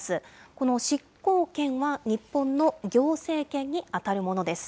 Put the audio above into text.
この執行権は日本の行政権に当たるものです。